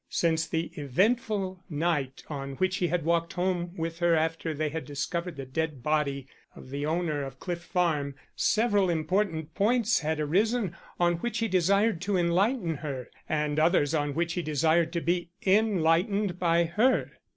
Since the eventful night on which he had walked home with her after they had discovered the dead body of the owner of Cliff Farm, several important points had arisen on which he desired to enlighten her, and others on which he desired to be enlightened by her.